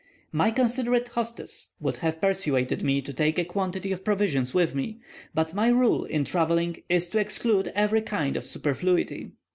My considerate hostess would have persuaded me to take a quantity of provisions with me; but my rule in travelling is to exclude every kind of superfluity.